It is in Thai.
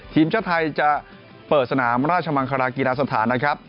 ทีมชาติไทยจะเปิดสนามราชมังคลากีฬาสถานนะครับ